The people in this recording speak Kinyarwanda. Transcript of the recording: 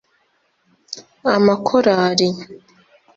amakorari